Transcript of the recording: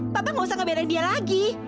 papa nggak usah ngebereng dia lagi